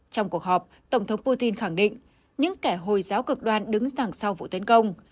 trong cuộc họp tổng thống putin khẳng định những kẻ hồi giáo cực đoan đứng sàng sau vụ tấn công